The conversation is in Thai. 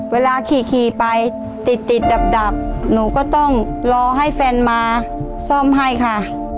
เวลาขี่ไปติดติดดับหนูก็ต้องรอให้แฟนมาซ่อมให้ค่ะ